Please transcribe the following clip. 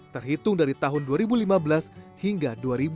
terhitung dari tahun dua ribu lima belas hingga dua ribu dua puluh